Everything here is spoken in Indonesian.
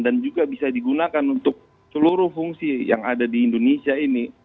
dan juga bisa digunakan untuk seluruh fungsi yang ada di indonesia ini